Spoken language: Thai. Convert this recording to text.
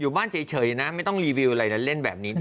ต้องมีแต่คนในโซเชียลว่าถ้ามีข่าวแบบนี้บ่อยทำไมถึงเชื่อขนาดใด